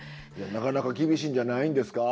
なかなか厳しいんじゃないんですか？